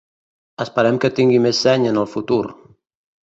Esperem que tingui més seny en el futur.